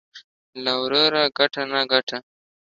له وروره گټه ، نه گټه.